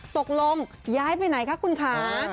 ตกลงย้ายไปไหนคะคุณค่ะ